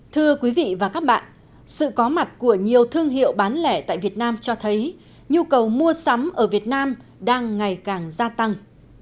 thưa quý vị và các bạn sự có mặt của nhiều thương hiệu bán lẻ tại việt nam cho thấy nhu cầu mua sắm ở việt nam đang ngày càng gia tăng